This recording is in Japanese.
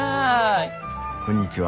こんにちは。